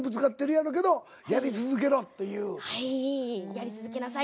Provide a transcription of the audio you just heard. やり続けなさいって。